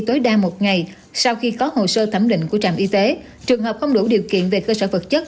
tối đa một ngày sau khi có hồ sơ thẩm định của trạm y tế trường hợp không đủ điều kiện về cơ sở vật chất